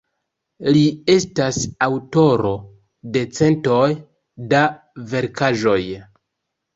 Li estas aŭtoro de centoj da verkaĵoj.